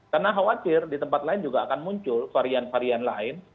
karena khawatir di tempat lain juga akan muncul varian varian lain